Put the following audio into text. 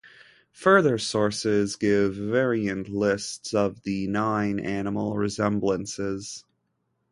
Further sources give variant lists of the nine animal resemblances.